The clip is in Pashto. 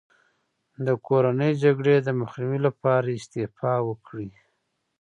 د کورنۍ جګړې د مخنیوي لپاره استعفا وکړي.